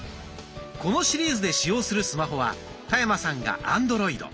このシリーズで使用するスマホは田山さんがアンドロイド。